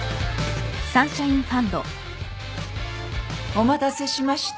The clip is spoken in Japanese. ・お待たせしました。